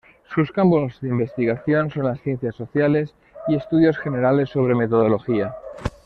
Sus campos de investigación son las ciencias sociales y estudios generales sobre metodología.